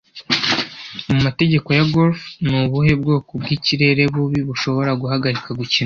Mu mategeko ya golf ni ubuhe bwoko bwikirere bubi bushobora guhagarika gukina